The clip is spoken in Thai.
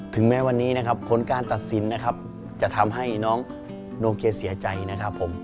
ถึงแม้วันนี้นะครับผลการตัดสินนะครับจะทำให้น้องโนเกียเสียใจนะครับผม